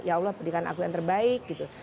ya allah berikan aku yang terbaik gitu